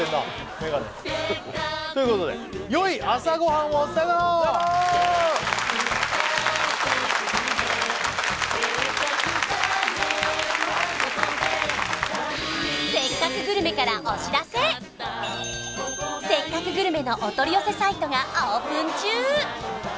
メガネということでよい朝ごはんをさよならさよなら「せっかくグルメ！！」のお取り寄せサイトがオープン中